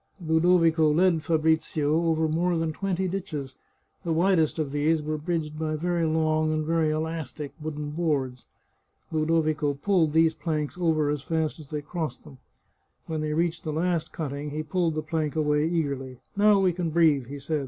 Ludovico led Fabrizio over more than twenty ditches; the widest of these were bridged by very long and very elastic wooden boards. Ludovico pulled these planks over 208 The Chartreuse of Parma as fast as they crossed them. When they reached the last cutting he pulled the plank away eagerly. " Now we can breathe," he said.